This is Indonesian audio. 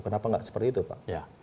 kenapa nggak seperti itu pak